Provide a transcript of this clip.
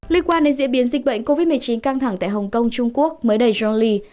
liên quan đến diễn biến dịch bệnh covid một mươi chín căng thẳng tại hồng kông trung quốc mới đầy jory